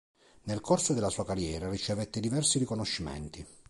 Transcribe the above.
Nel corso della sua carriera ricevette diversi riconoscimenti.